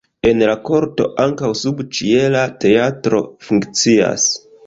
En la korto ankaŭ subĉiela teatro funkcias.